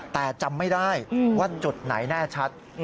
แต่จำไม่ได้ว่าจุดไหนแน่ชัด